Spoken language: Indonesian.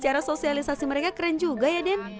cara sosialisasi mereka keren juga ya den